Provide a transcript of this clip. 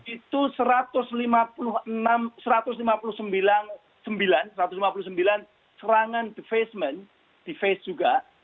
itu satu ratus lima puluh sembilan serangan defacement deface juga